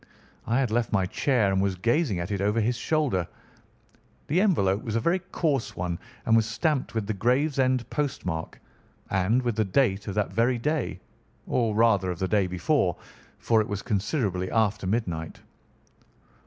I had left my chair and was gazing at it over his shoulder. The envelope was a very coarse one and was stamped with the Gravesend postmark and with the date of that very day, or rather of the day before, for it was considerably after midnight.